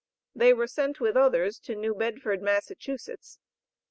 They were sent with others to New Bedford, Massachusetts.